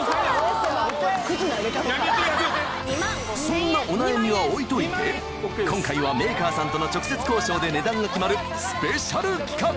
そんなお悩みは置いといて今回はメーカーさんとの直接交渉で値段が決まるスペシャル企画！